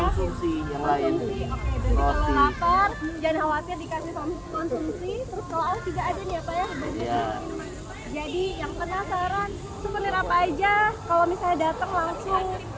ini enggak ada ya pak ya jadi yang penasaran sebenarnya apa aja kalau misalnya datang langsung